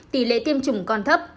tỷ lệ tiêm chủng còn thấp